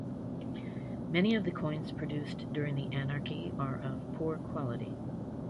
Many of the coins produced during the Anarchy are of poor quality.